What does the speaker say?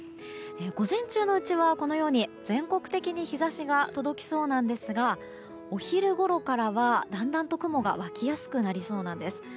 午前中のうちは全国的に日差しが届きそうなんですがお昼ごろからはだんだんと雲が湧きやすくなりそうなんです。